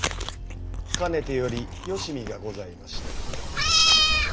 かねてより誼がございまして。